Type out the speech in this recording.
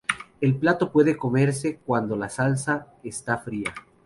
El plato puede comerse cuando la salsa está fría.